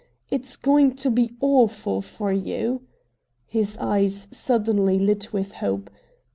"It's going to be awful for you!" His eyes suddenly lit with hope.